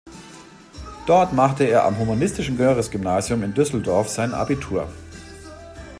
Dort machte er am humanistischen Görres-Gymnasium in Düsseldorf sein Abitur.